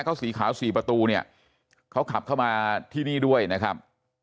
เขาสีขาวสี่ประตูเนี่ยเขาขับเข้ามาที่นี่ด้วยนะครับ